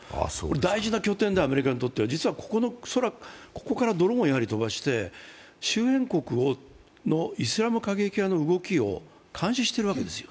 大事な拠点で、アメリカにとっては恐らくここからドローンを飛ばして周辺国のイスラム過激派の動きを監視しているわけです。